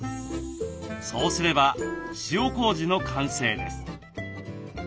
そうすれば塩こうじの完成です。